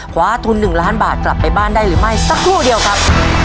คว้าทุน๑ล้านบาทกลับไปบ้านได้หรือไม่สักครู่เดียวครับ